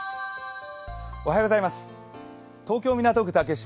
東京・港区竹芝